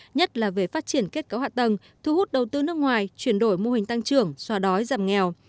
nhất là về phát triển kết cấu hạ tầng thu hút đầu tư nước ngoài chuyển đổi mô hình tăng trưởng soa đói giảm nghèo